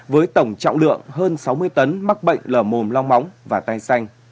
với tổng trọng lượng hơn sáu mươi tấn mắc bệnh lở mồm long móng và tai xanh